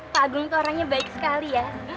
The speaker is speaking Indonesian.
pak agung itu orangnya baik sekali ya